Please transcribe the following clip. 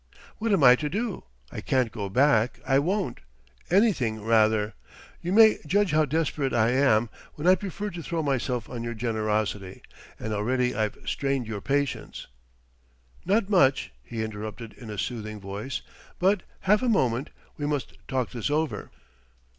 "What am I to do? I can't go back I won't! Anything rather. You may judge how desperate I am, when I prefer to throw myself on your generosity and already I've strained your patience " "Not much," he interrupted in a soothing voice. "But half a moment we must talk this over."